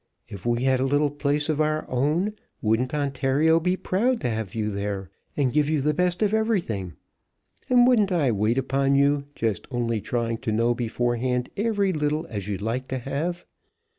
If we had a little place of our own, wouldn't Ontario be proud to have you there, and give you the best of everything; and wouldn't I wait upon you, just only trying to know beforehand every tittle as you'd like to have.